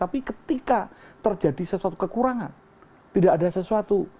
tapi ketika terjadi sesuatu kekurangan tidak ada sesuatu